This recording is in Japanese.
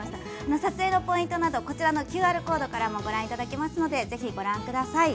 撮影のポイントなどこちらのＱＲコードからもご覧いただけますのでぜひご覧ください。